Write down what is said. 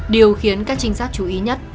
điều khiến các trinh sát chú ý nhất